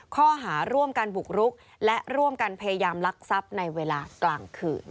ข้อหาร่วมกันบุกรุกและร่วมกันพยายามลักทรัพย์ในเวลากลางคืน